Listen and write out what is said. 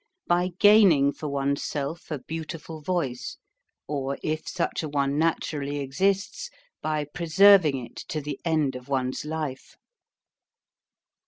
By gaining for one's self a beautiful voice or, if such a one naturally exists, by preserving it to the end of one's life